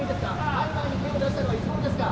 大麻に手を出したのはいつごろですか？